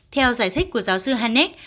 theo giải thích của giáo sư hanek